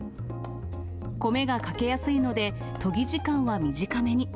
米が欠けやすいので、研ぎ時間は短めに。